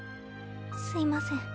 すいません。